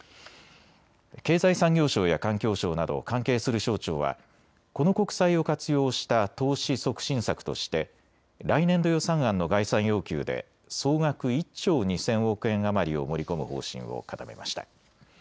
経済産業省や環境省など関係する省庁はこの国債を活用した投資促進策として来年度予算案の概算要求で総額１兆２０００億円余りを盛り込む方針を固めました。